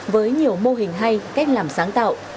với nhiều mô hình hay cách làm sáng tạo